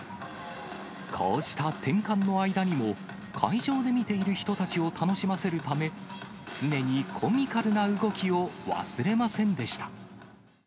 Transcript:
こうした転換の間にも、会場で見ている人たちを楽しませるため、常にコミカルな動きを忘れませんでした。